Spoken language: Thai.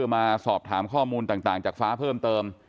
มาสอบถามข้อมูลต่างจากฟ้าเพิ่มเติม